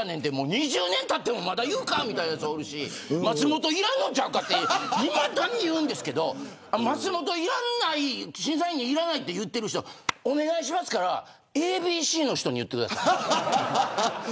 ２０年たってもまだ言うかみたいなやつもいるし松本いらんのちゃうかっていまだに言うんですけど松本、審査員にいらないと言ってる人お願いしますからＡＢＣの人に言ってください。